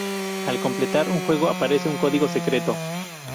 Al completar un juego aparece un código secreto.